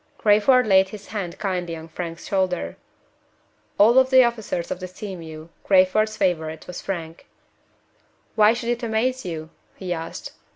Crayford laid his hand kindly on Frank's shoulder. Of all the officers of the Sea mew, Crayford's favorite was Frank. "Why should it amaze you?" he asked.